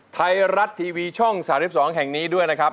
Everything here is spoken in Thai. ไทยรัฐทีวีช่อง๓๒แห่งนี้ด้วยนะครับ